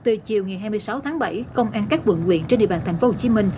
từ chiều ngày hai mươi sáu tháng bảy công an các vượng nguyện trên địa bàn tp hcm